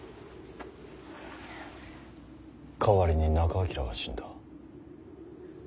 代わりに仲章が死んだ。